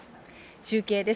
中継です。